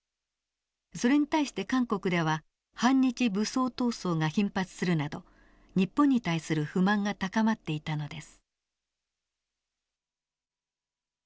それに対して韓国では反日武装闘争が頻発するなど日本に対する不満が高まっていたのです。